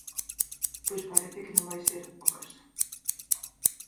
Pois parece que non vai ser o caso...